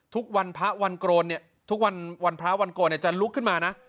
ทุกวันพระวันโกรณิจะลุกขึ้นมานะ